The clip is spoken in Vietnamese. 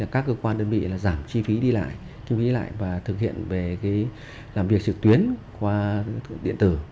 các cơ quan đơn vị giảm chi phí đi lại và thực hiện làm việc trực tuyến qua điện tử